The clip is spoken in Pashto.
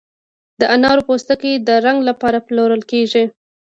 د انارو پوستکي د رنګ لپاره پلورل کیږي؟